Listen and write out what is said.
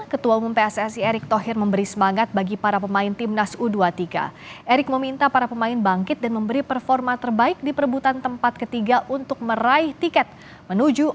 kepala pembangunan pembangunan pembangunan pembangunan